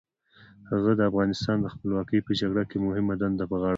هغه د افغانستان د خپلواکۍ په جګړه کې مهمه دنده په غاړه درلوده.